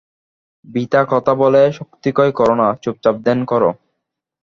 বৃথা কথা বলে শক্তিক্ষয় কর না, চুপচাপ ধ্যান কর।